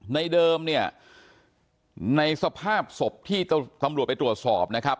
เดิมเนี่ยในสภาพศพที่ตำรวจไปตรวจสอบนะครับ